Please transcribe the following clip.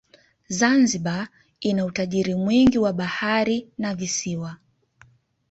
zanzibar ina utajiri mwingi wa bahari na visiwa